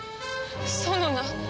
ソノナ